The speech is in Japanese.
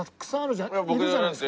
行くじゃないですか。